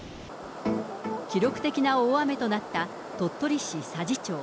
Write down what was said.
記録的な大雨となった鳥取市佐治町。